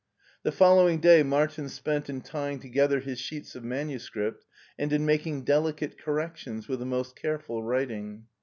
The following day Martin spent in tying together his sheets of manuscript, and in making delicate cor rections with the most careful writing.